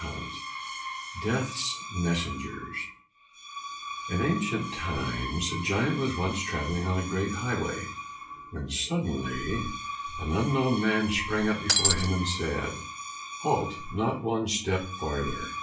177 Death's Messengers In ancient times a giant was once travelling on a great highway, when suddenly an unknown man sprang up before him, and said, "Halt, not one step farther!"